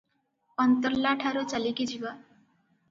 ଅନ୍ତର୍ଲାଠାରୁ ଚାଲିକି ଯିବା ।